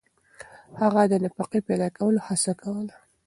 هغه د نفقې پیدا کولو هڅه کوله.